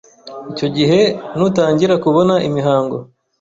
icyo gihe Nutangira kubona imihango